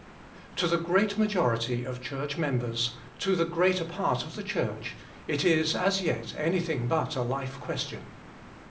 To the great majority of Church members, to the greater part of the Church, it is as yet anything but a life question.